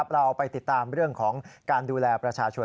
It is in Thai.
เราไปติดตามเรื่องของการดูแลประชาชน